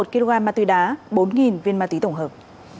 một kg ma túy đá bốn viên ma túy tổng hợp